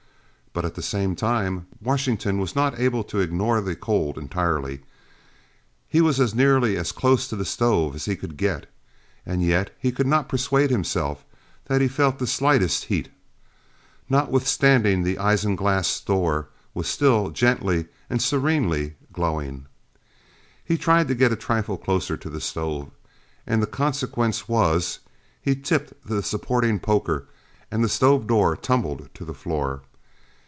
But at the same time Washington was not able to ignore the cold entirely. He was nearly as close to the stove as he could get, and yet he could not persuade himself that he felt the slightest heat, notwithstanding the isinglass' door was still gently and serenely glowing. He tried to get a trifle closer to the stove, and the consequence was, he tripped the supporting poker and the stove door tumbled to the floor.